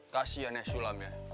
kasiannya sulam ya